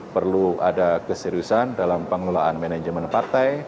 perlu ada keseriusan dalam pengelolaan manajemen partai